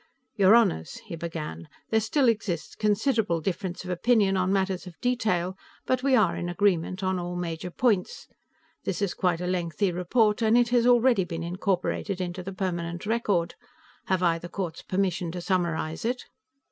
"Your Honors," he began, "there still exists considerable difference of opinion on matters of detail but we are in agreement on all major points. This is quite a lengthy report, and it has already been incorporated into the permanent record. Have I the court's permission to summarize it?"